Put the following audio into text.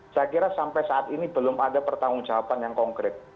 saya kira sampai saat ini belum ada pertanggung jawaban yang konkret